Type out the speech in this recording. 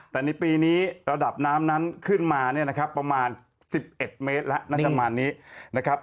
แต่ในปีนี้ระดับน้ำนั้นขึ้นมาประมาณ๑๑เมตรแล้ว